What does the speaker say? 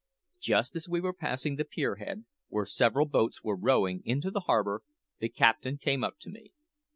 Just as we were passing the pier head, where several boats were rowing into the harbour, the captain came up to me.